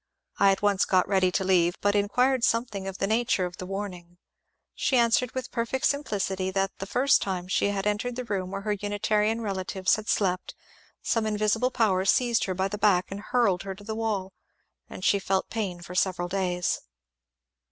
I at once got ready to leave, but inquired something of the nature of the ^^ warning." She answered with perfect simplicity that the first time she entered the room where her Unitarian relatives had slept some invisible power seized her by the back and hurled her to the wall, and she felt the pain for several days.